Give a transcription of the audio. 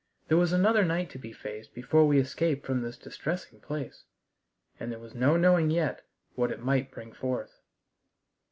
There was another night to be faced before we escaped from this distressing place, and there was no knowing yet what it might bring forth.